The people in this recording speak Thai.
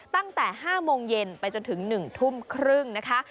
ตั้งแต่๕โมงเย็นไปจนถึง๑ทุ่มครึ่งนะคะ